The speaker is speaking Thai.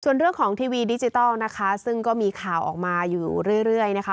ส่วนเรื่องของทีวีดิจิทัลนะคะซึ่งก็มีข่าวออกมาอยู่เรื่อยนะคะ